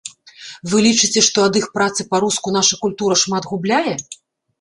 Вы лічыце, што ад іх працы па-руску наша культура шмат губляе?